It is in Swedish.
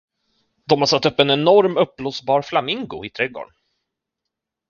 De har satt upp en enorm, uppblåsbar flamingo i trädgården.